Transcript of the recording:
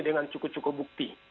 dengan cukup cukup bukti